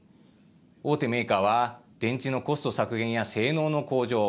大手メーカーは電池のコスト削減や性能の向上。